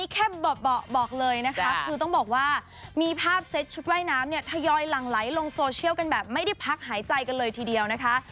แค่บอกเลยนะคะคือต้องบอกว่ามีภาพเซ็ตชุดว่ายน้ำเนี่ยทยอยหลั่งไหลลงโซเชียลกันแบบไม่ได้พักหายใจกันเลยทีเดียวนะคะ